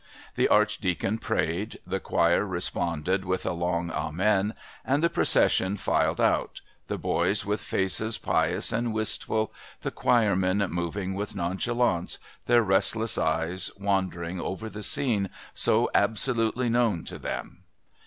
The Archdeacon prayed, the choir responded with a long Amen, and the procession filed out, the boys with faces pious and wistful, the choir men moving with nonchalance, their restless eyes wandering over the scene so absolutely known to them.